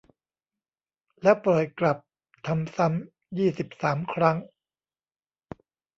แล้วปล่อยกลับ ทำซ้ำ ยี่สิบสาม ครั้ง